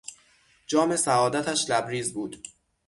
جام سعادتش لبریز بود.